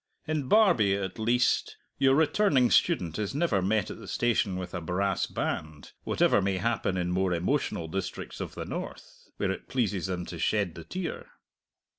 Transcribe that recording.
In Barbie, at least, your returning student is never met at the station with a brass band, whatever may happen in more emotional districts of the North, where it pleases them to shed the tear.